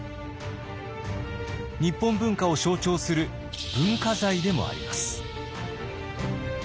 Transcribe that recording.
日本文化を象徴する文化財でもあります。